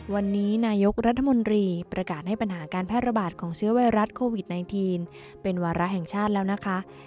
วันนี้นายกรัฐมนตรีประกาศให้ปัญหาการแพร่ระบาดของเชื้อไวรัสโควิด๑๙เป็นวาระแห่งชาติแล้วนะคะ